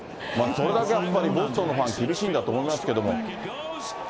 それだけやっぱりボストンのファン、厳しいんだと思いますけれども。